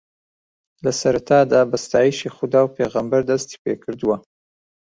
لەسەرەتادا بە ستایشی خودا و پێغەمبەر دەستی پێکردووە